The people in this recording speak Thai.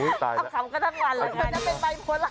คำก็ทำกว่าเลย